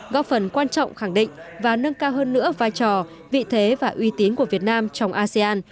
góp phần quan trọng khẳng định và nâng cao hơn nữa vai trò vị thế và uy tín của việt nam trong asean